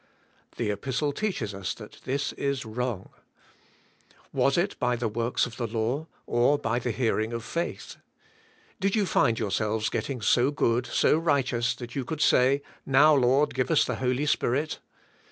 The Kpistle teaches us that this is wrong. *'Was it by the works of the law, or by the hearing of th:ej holy spirit in gai^atians. 105 faith?" Did you find yourselves g'etting so gfood, so rig hteous, that you could say, Now, Lord g ive us the Holy Spirit?